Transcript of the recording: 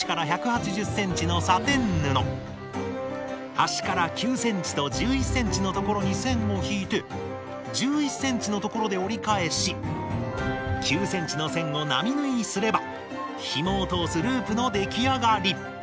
端から９ｃｍと１１ｃｍの所に線を引いて１１ｃｍの所で折り返し９ｃｍの線を並縫いすればひもを通すループの出来上がり。